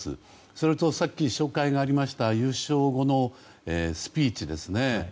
それと、さっき紹介がありました優勝後のスピーチですね。